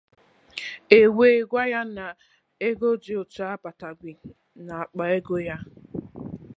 e wee gwa ya na ego dị otu ahụ abataghị n'akpa ego ya